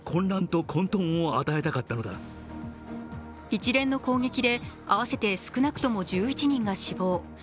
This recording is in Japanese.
一連の攻撃で、合わせて少なくとも１１人が死亡。